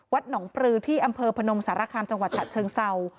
หนองปลือที่อำเภอพนมสารคามจังหวัดฉะเชิงเศร้า